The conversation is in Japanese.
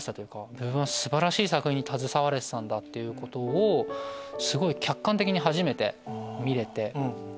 自分は素晴らしい作品に携われてたんだっていうことをすごい客観的に初めて見れて。